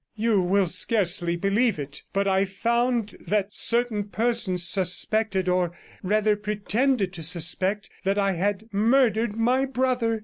You will scarcely believe it, but I found that certain persons suspected, or rather pretended to suspect, that I had murdered my brother.